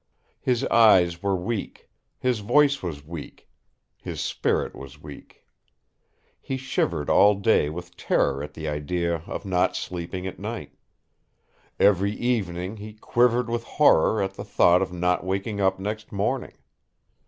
His eyes were weak; his voice was weak; his spirit was weak. He shivered all day with terror at the idea of not sleeping at night. Every evening he quivered with horror at the thought of not waking up next morning.